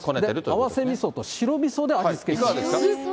合わせみそと白みそで味付けしてます。